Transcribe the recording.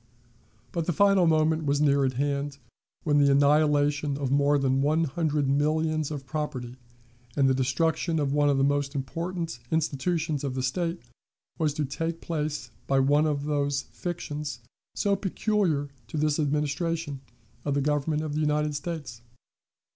But the final moment was near at hand when the annihilation of more than one hundred millions of property and the destruction of one of the most important institutions of the State was to take place by one of those fictions so peculiar to this administration of the Government of the United States.